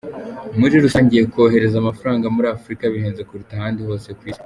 Muri rusange kohereza amafaranga muri Afurika bihenze kuruta ahandi hose ku Isi.